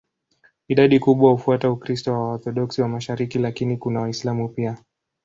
Idadi kubwa hufuata Ukristo wa Waorthodoksi wa mashariki, lakini kuna Waislamu pia.